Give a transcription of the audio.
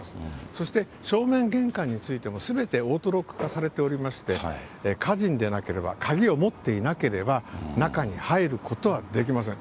そして正面玄関についてもすべてオートロック化されていまして、家人でなければ、鍵を持っていなければ、中に入ることはできません。